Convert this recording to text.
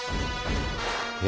え！